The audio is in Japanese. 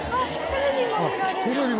テレビも見られるか。